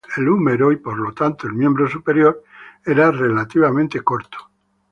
El húmero y por lo tanto el miembro superior, era relativamente corto.